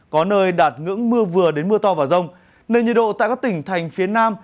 có nơi đạt ngưỡng mưa vừa đến mưa to và rông nền nhiệt độ tại các tỉnh thành phía nam